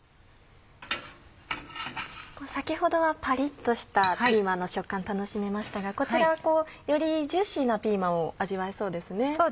先ほどはパリッとしたピーマンの食感楽しめましたがこちらはよりジューシーなピーマンを味わえそうですね。